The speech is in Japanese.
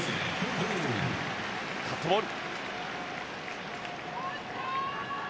カットボール。